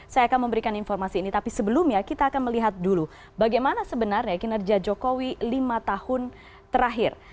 saya akan memberikan informasi ini tapi sebelumnya kita akan melihat dulu bagaimana sebenarnya kinerja jokowi lima tahun terakhir